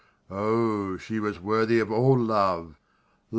O, she was worthy of all love!